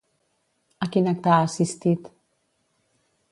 A quin acte ha assistit?